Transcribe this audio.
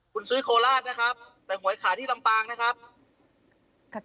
คุณซื้อโคราชนะครับแต่หวยขายที่ลำปางนะครับครับ